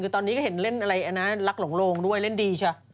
ตอนนี้ก็เห็นเล่นอะไรลักหลงโลงด้วยเล่นดีจ้ะ